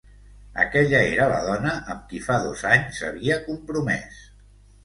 Aquella era la dona amb qui fa dos anys s’havia compromés.